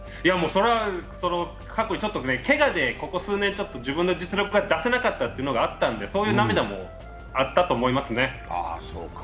けがでここ数年自分の実力が出せなかったというのもあってそういう涙もあったと思いますね。